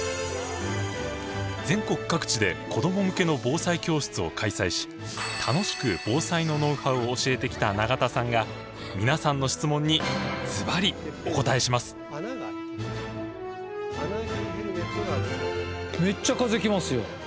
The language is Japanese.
全国各地で子ども向けの防災教室を開催し楽しく防災のノウハウを教えてきた永田さんが皆さんのめっちゃ風来ますよ。